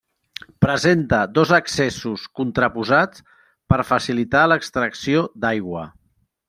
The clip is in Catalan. Presenta dos accessos contraposats per facilitar l'extracció d'aigua.